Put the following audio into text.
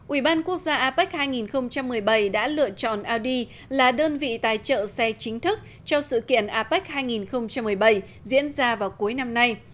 ủy ban quốc gia apec hai nghìn một mươi bảy đã lựa chọn id là đơn vị tài trợ xe chính thức cho sự kiện apec hai nghìn một mươi bảy diễn ra vào cuối năm nay